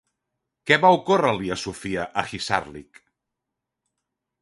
Què va ocórrer-li a Sophia a Hisarlik?